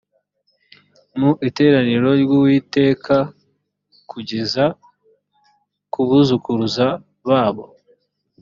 mu iteraniro ry uwiteka kugeza ku buzukuruza babo